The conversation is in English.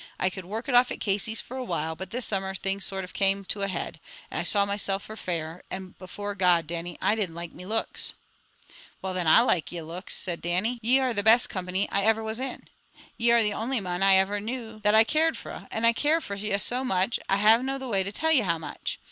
"I could work it off at Casey's for a while, but this summer things sort of came to a head, and I saw meself for fair, and before God, Dannie, I didn't like me looks." "Well, then, I like your looks," said Dannie. "Ye are the best company I ever was in. Ye are the only mon I ever knew that I cared fra, and I care fra ye so much, I havna the way to tell ye how much.